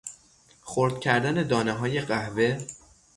خرد کردن دانههای قهوه